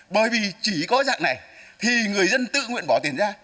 bởi vì chỉ có dạng này thì người dân tự nguyện bỏ tiền ra